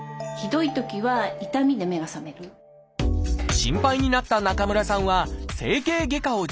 心配になった中村さんは整形外科を受診。